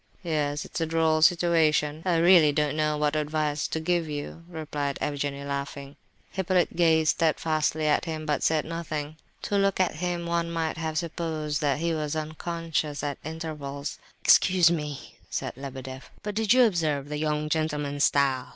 "Yes, it's a droll situation; I really don't know what advice to give you," replied Evgenie, laughing. Hippolyte gazed steadfastly at him, but said nothing. To look at him one might have supposed that he was unconscious at intervals. "Excuse me," said Lebedeff, "but did you observe the young gentleman's style?